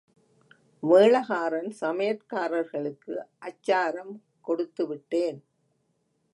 மேளகாரன், சமையற்காரர்களுக்கு அச்சாரம் கொடுத்துவிட்டேன்.